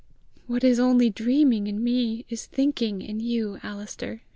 "What is only dreaming in me, is thinking in you, Alister!"